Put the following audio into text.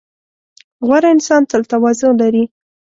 • غوره انسان تل تواضع لري.